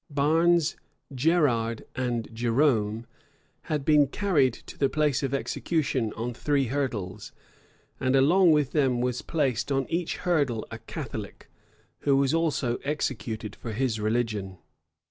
Barnes, Gerrard, and Jerome had been carried to the place of execution on three hurdles; and along with them there was placed on each hurdle a Catholic, who was also executed for his religion.